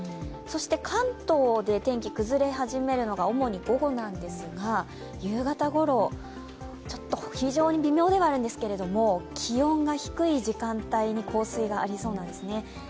関東で天気が崩れ始めるのが主に午後なんですが夕方ごろ、非常に微妙ではあるんですけども、気温が低い時間帯に降水がありそうなんですね。